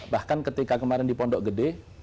bahkan ketika kemarin di pondok gede